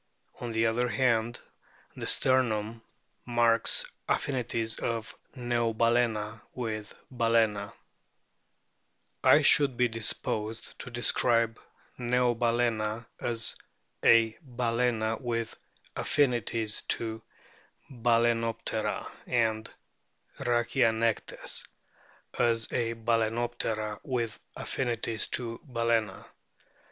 On the other hand, the sternum marks the affinities of Neobaldena with Balesna. RIGHT WHALES 121 I should be disposed to describe Neobalcena as a Balcena with affinities to Balcenoptera, and Rhachia nectes as a Balcenoptera with affinities to Balcena.